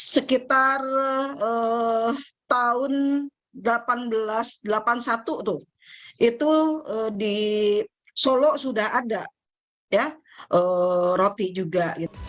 sekitar tahun seribu delapan ratus delapan puluh satu tuh itu di solo sudah ada roti juga